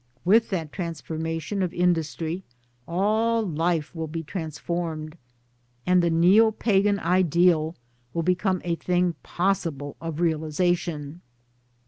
With that transformation of industry all life will 1 be transformed, and the neo Pagan ideal will become a thing possible of realization.